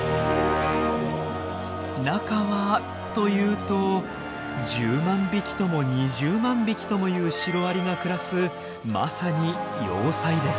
中はというと１０万匹とも２０万匹ともいうシロアリが暮らすまさに「要塞」です。